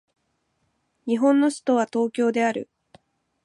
日本の首都は東京である